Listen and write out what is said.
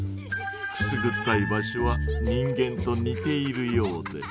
くすぐったい場所は人間と似ているようで。